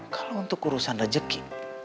kalau untuk urusan rejeki